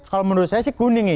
kalau menurut saya sih kuning nih